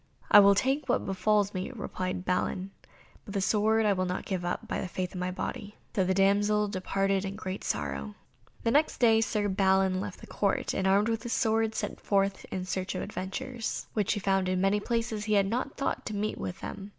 "I will take what befalls me," replied Balin, "but the sword I will not give up, by the faith of my body." So the damsel departed in great sorrow. The next day Sir Balin left the Court, and, armed with his sword, set forth in search of adventures, which he found in many places where he had not thought to meet with them.